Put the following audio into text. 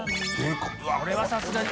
これはさすがに。